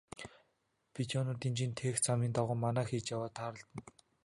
Бедоинууд жин тээх замын дагуу манаа хийж яваад тааралдана.